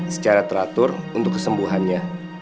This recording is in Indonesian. secara teratur untuk kesembuhannya